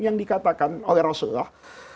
yang dikatakan oleh rasulullah